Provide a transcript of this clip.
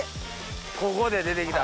ここで出てきた。